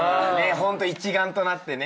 ホント一丸となってね。